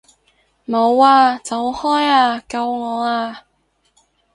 冇啊！走開啊！救我啊！